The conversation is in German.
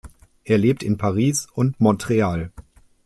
Er lebt in Paris und Montreal.